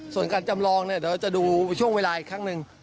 ส่วนการจำลองเนี่ยเดี๋ยวจะดูช่วงเวลาอีกครั้งหนึ่ง